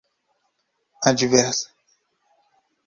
adversa